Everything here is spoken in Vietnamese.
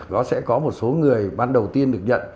nó sẽ có một số người ban đầu tiên được nhận